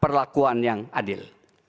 perlakuan yang adil